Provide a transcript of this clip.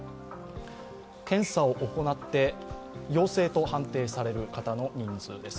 検査を行って陽性と判定される方の人数です